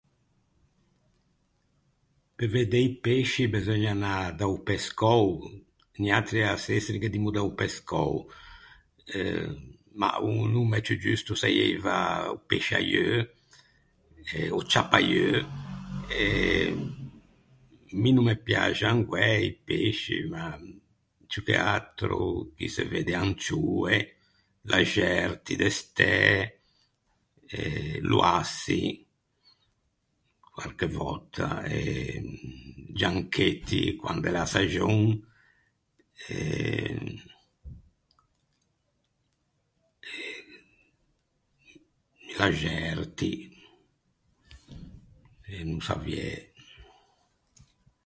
Pe vedde i pesci beseugna anâ da-o pescou. Niatri à Sestri ghe dimmo da-o pescou eh ma o nomme ciù giusto o saieiva o pesciaieu eh ò ciappaieu eh mi no me piaxan guæi i pesci ma ciù che atro chì se vedde ancioe, laxerti de stæ eh loassi, quarche vòtta eh gianchetti quande l’é a saxon eh eh laxerti e no saviæ.